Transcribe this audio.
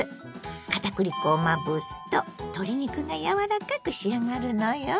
片栗粉をまぶすと鶏肉がやわらかく仕上がるのよ。